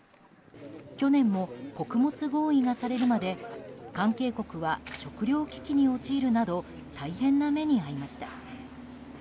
去年も穀物合意がされるまで関係国は食糧危機に陥るなど大変な目に遭いました。